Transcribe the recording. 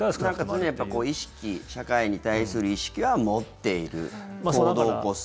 なんか常に社会に対する意識は持っている行動を起こす。